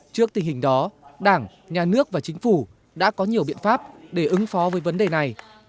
trước tình hình đó đảng nhà nước và chính phủ đã có nhiều biện pháp để ứng phó với vấn đề này